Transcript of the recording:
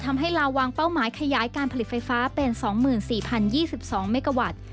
ทำให้ลาวางเป้าหมายขยายการผลิตไฟฟ้าเป็น๒๔๐๒๒เมกาวัตต์